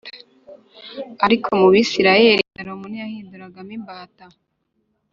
Ariko mu Bisirayeli Salomo ntiyahinduragamo imbata